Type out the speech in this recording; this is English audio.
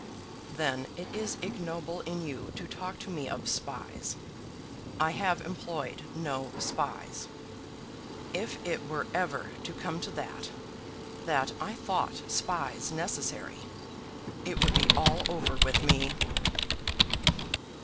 "Then it is ignoble in you to talk to me of spies. I have employed no spies. If it were ever to come to that, that I thought spies necessary, it would be all over with me."